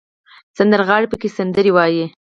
سندرغاړي پکې سندرې وايي.